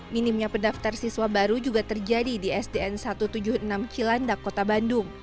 minimnya pendaftar siswa baru juga terjadi di sdn satu ratus tujuh puluh enam cilandak kota bandung